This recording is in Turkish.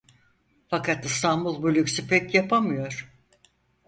Fakat İstanbul bu lüksü pek yapamıyor.